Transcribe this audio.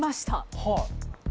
はい。